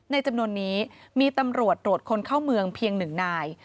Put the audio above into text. จำนวนนี้มีตำรวจตรวจคนเข้าเมืองเพียง๑นาย